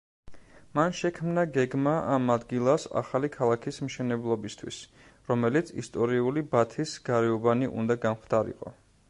მან შექმნა გეგმა ამ ადგილას ახალი ქალაქის მშენებლობისთვის, რომელიც ისტორიული ბათის გარეუბანი უნდა გამხდარიყო.